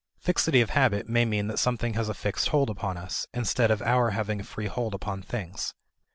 Fixity of habit may mean that something has a fixed hold upon us, instead of our having a free hold upon things.